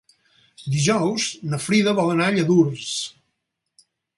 Dijous na Frida vol anar a Lladurs.